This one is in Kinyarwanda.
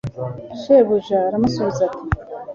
shebuja aramusubiza ati